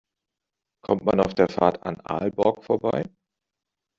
Kommt man auf der Fahrt an Aalborg vorbei?